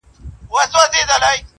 • پلار د شپې بې خوبه وي..